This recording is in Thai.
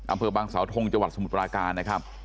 อำเภอบางสาวทงจังหวัดสมุทรปราการนะครับ